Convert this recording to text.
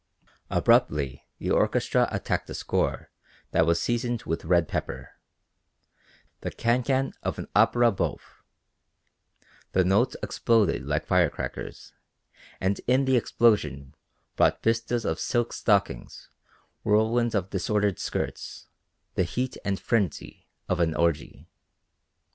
Abruptly the orchestra attacked a score that was seasoned with red pepper the can can of an opéra bouffe: the notes exploded like fire crackers, and in the explosion brought vistas of silk stockings, whirlwinds of disordered skirts, the heat and frenzy of an orgy.